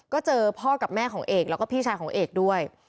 ก็เจอพ่อกับแม่ของเอกแล้วก็พี่ชายของเอกด้วย